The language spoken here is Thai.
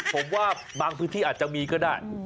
ผมว่าบางพื้นที่อาจจะมีก็ได้